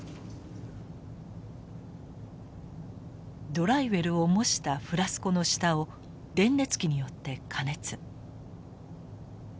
ドライウェルを模したフラスコの下を電熱器によって加熱。